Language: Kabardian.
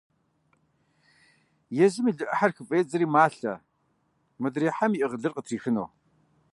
Езым и лы Ӏыхьэр хыфӀедзэри, малъэ, модрей хьэм иӀыгъ лыр къытрихыну.